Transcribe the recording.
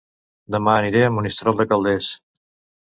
Dema aniré a Monistrol de Calders